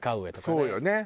そうよね。